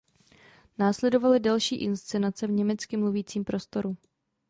Následovaly další inscenace v německy mluvícím prostoru.